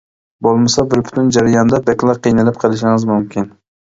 بولمىسا بىر پۈتۈن جەرياندا بەكلا قىينىلىپ قىلىشىڭىز مۇمكىن.